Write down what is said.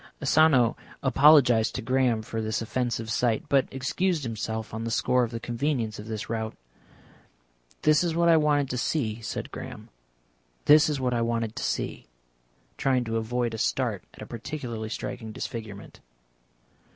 Asano apologised to Graham for this offensive sight, but excused himself on the score of the convenience of this route. "This is what I wanted to see," said Graham; "this is what I wanted to see," trying to avoid a start at a particularly striking disfigurement.